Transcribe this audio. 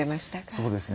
そうですね